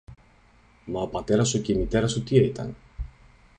Μα ο πατέρας σου και η μητέρα σου τι ήταν;